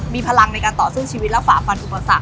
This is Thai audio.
มีพลังในการต่อสู้ชีวิตและฝ่าฟันอุปสรรค